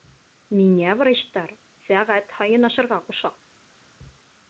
Миңә врачтар сәғәт һайын ашарға ҡуша!